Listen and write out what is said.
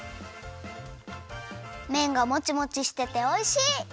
めんがもちもちしてておいしい！